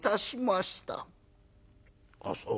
「あっそう。